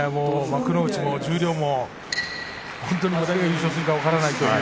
幕内も十両も誰が優勝するか分からない